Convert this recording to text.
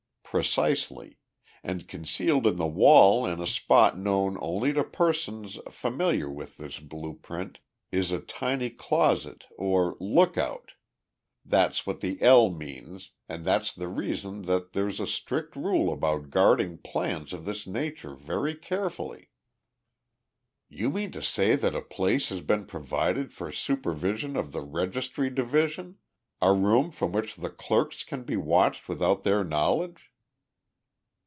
"Precisely. And concealed in the wall in a spot known only to persons familiar with this blue print, is a tiny closet, or 'lookout.' That's what the 'L' means and that's the reason that there's a strict rule about guarding plans of this nature very carefully." "You mean to say that a place has been provided for supervision of the registry division a room from which the clerks can be watched without their knowledge?"